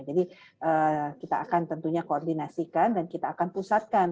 jadi kita akan tentunya koordinasikan dan kita akan pusatkan